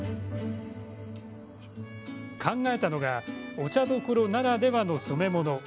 考えたのがお茶どころならではの染め物。